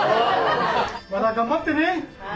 また頑張ってね。